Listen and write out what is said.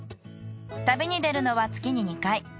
旅に出るのは月に２回。